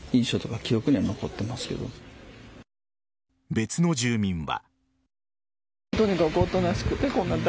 別の住民は。